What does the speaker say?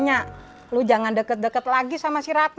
nya lu jangan deket deket lagi sama si ratna